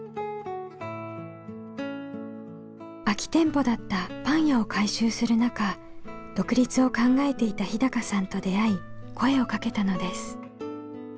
空き店舗だったパン屋を改修する中独立を考えていた日さんと出会い声をかけたのです。